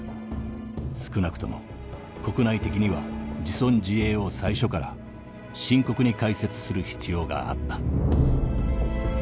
少なくとも国内的には自存自衛を最初から深刻に解説する必要があった」。